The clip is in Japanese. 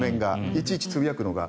いちいちつぶやくのが。